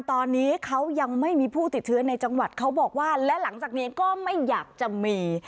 ตอนนี้เขายังไม่มีผู้ติดเชื้อในจังหวัดเขาบอกว่าและหลังจากนี้ก็ไม่อยากจะมี